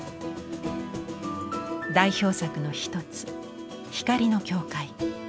代表作の一つ「光の教会」。